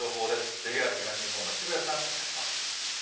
ＪＲ東日本の渋谷さん、お願いします。